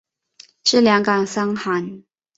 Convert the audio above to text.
治两感伤寒。